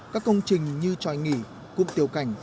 các công trình như tròi nghỉ cung tiểu cảnh